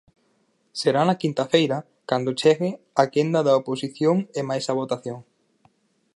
Será na quinta feira cando chegue a quenda da oposición e máis a votación.